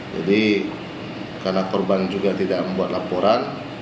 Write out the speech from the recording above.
jadi karena korban juga tidak membuat laporan